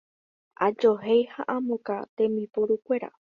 Ajohéi ha amokã tembiporukuéra.